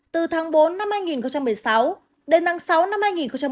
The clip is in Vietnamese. từ tháng bốn năm hai nghìn một mươi sáu đến tháng sáu năm hai nghìn một mươi chín